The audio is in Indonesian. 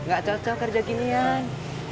gak cocok kerja ginian